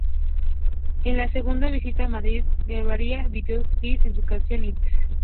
En su segunda visita a Madrid grabaría el videoclip de su canción It's 躁タイム!!.